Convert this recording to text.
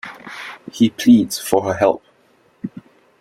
He pleads for her help.